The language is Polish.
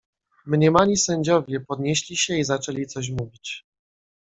"Mniemani sędziowie podnieśli się i zaczęli coś mówić."